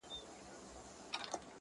ماته شجره یې د نژاد او نصب مه راوړئ،